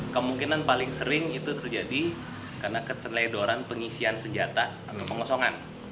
kemungkinan paling sering itu terjadi karena keteledoran pengisian senjata atau pengosongan